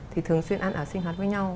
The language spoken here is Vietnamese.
thì thường xuyên ăn ở sinh hoạt với nhau